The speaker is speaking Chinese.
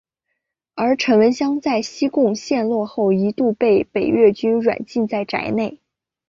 而陈文香在西贡陷落后一度被北越军软禁在宅内。